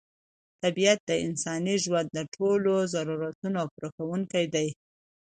طبیعت د انساني ژوند د ټولو ضرورتونو پوره کوونکی دی.